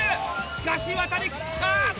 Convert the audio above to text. しかし渡り切った！